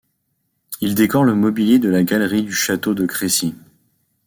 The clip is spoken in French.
Il décore le mobilier de la galerie du château de Crécy.